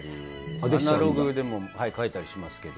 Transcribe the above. アナログでも描いたりしますけど。